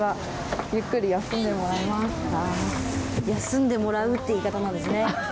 「休んで貰う」って言い方なんですね。